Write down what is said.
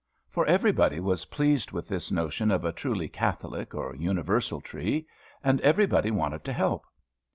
For everybody was pleased with this notion of a truly catholic or universal tree; and everybody wanted to help.